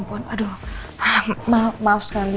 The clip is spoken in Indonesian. pernah gak mother